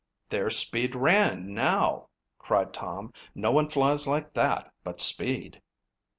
"There's 'Speed' Rand now!" cried Tom. "No one flies like that but 'Speed'."